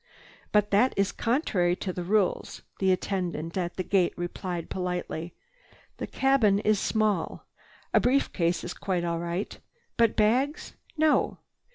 "But that is contrary to the rules," the attendant at the gate replied politely. "The cabin is small. A brief case is quite all right. But bags, no.